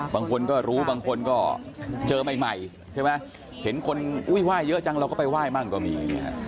บางคนก็รู้บางคนก็เจอใหม่เห็นคนไหว้เยอะจังเราก็ไปไหว้บ้างก็มี